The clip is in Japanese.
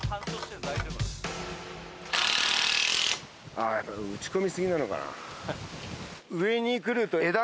あやっぱ打ち込み過ぎなのかなぁ。